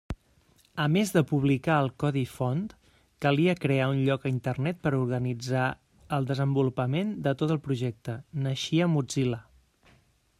A més de publicar el codi font calia crear un lloc a Internet per organitzar el desenvolupament de tot el projecte: naixia Mozilla.